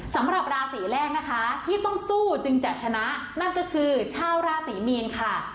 สำหรับราศีแรกนะคะที่ต้องสู้จึงจะชนะนั่นก็คือชาวราศรีมีนค่ะ